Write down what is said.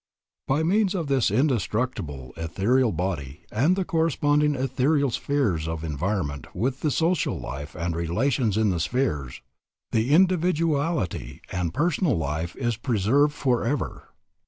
By means of this indestructible ethereal body and the corresponding ethereal spheres of environment with the social life and relations in the spheres, the individuality and personal life is preserved forever."